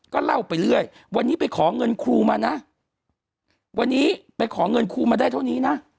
ก็เล่าไปเรื่อยวันนี้ไปขอเงินครูมานะวันนี้ไปขอเงินครูมาได้เท่านี้นะ